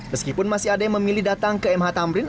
meskipun masih ada yang memilih datang ke mh tamrin